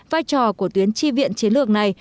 vai trò của tuyến chi viện chiến lược này